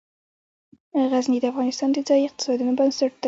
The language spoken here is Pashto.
غزني د افغانستان د ځایي اقتصادونو بنسټ دی.